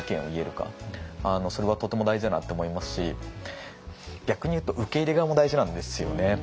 それはとても大事だなって思いますし逆に言うと受け入れ側も大事なんですよね。